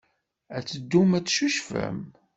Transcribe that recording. Ad teddum ad teccucfem.